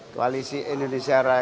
kebangkitan indonesia raya